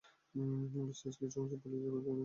বিশ্বের কিছু অংশের পুলিশ দুর্নীতি থেকে ভুগতে হতে পারে।